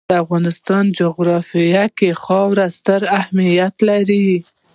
د افغانستان جغرافیه کې خاوره ستر اهمیت لري.